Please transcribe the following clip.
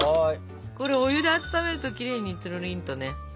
これお湯で温めるときれいにつるりんとね。